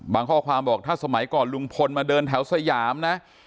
ข้อความบอกถ้าสมัยก่อนลุงพลมาเดินแถวสยามนะ